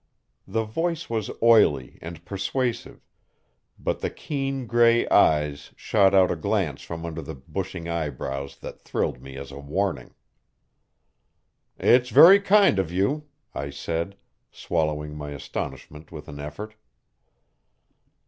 The voice was oily and persuasive, but the keen gray eyes shot out a glance from under the bushing eyebrows that thrilled me as a warning. "It's very kind of you," I said, swallowing my astonishment with an effort.